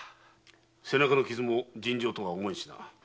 背中の傷も尋常とは思えんしな。